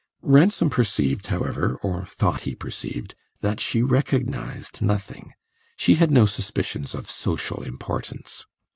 Ransom perceived, however, or thought he perceived, that she recognised nothing; she had no suspicions of social importance.